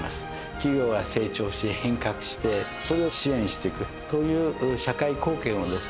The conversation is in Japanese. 企業が成長し変革してそれを支援していくという社会貢献をですね